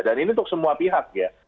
dan ini untuk semua pihak ya